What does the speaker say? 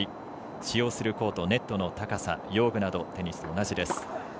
使用するコート、ネットの高さ用具などテニスと同じです。